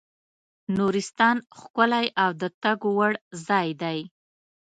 نورستان ښکلی او د تګ وړ ځای دی.